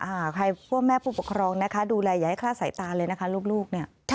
ให้พวกแม่ผู้ปกครองดูแลอย่าให้ขลาดสายตาเลยนะคะลูก